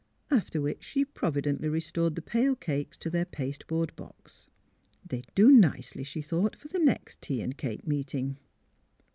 After which she providently restored the pale cakes to their paste board box. They would do nicely, she thought, for the next tea an' cake meeting.